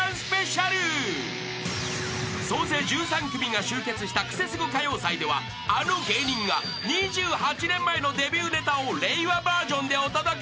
［総勢１３組が集結したクセスゴ歌謡祭ではあの芸人が２８年前のデビューネタを令和バージョンでお届け］